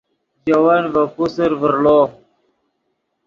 ژے ون ڤے پوسر ڤرڑو